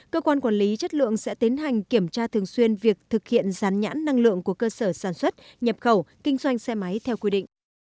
cơ quan quản lý chất lượng sẽ tiến hành kiểm tra thường xuyên việc thực hiện gián nhãn năng lượng của cơ sở sản xuất nhập khẩu kinh doanh xe máy theo quy định